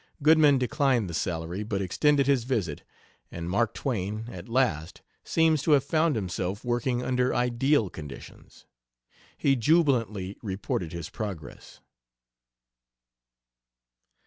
Goodman declined the salary, but extended his visit, and Mark Twain at last seems to have found himself working under ideal conditions. He jubilantly reports his progress.